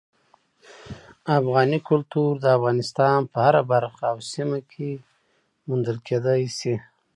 افغاني کلتور د افغانستان په هره برخه او سیمه کې موندل کېدی شي.